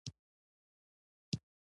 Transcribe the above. هغه د یوازیتوب احساس کوي.